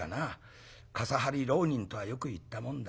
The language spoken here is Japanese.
傘張り浪人とはよく言ったもんだ。